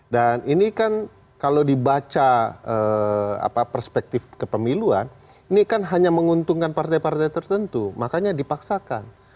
dan ini kan kalau dibaca perspektif kepemiluan ini kan hanya menguntungkan partai partai tertentu makanya dipaksakan